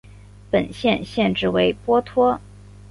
本县县治为波托。